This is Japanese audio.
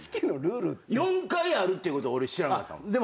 ４回あるっていうこと俺知らなかったもん。